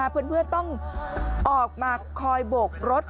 เพื่อนต้องออกมาคอยโบกรถ